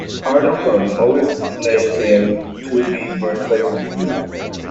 Ardlethan also lays claim to be the birthplace of the breed.